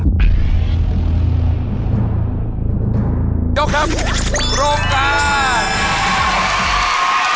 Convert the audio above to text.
ยกครับโรงการ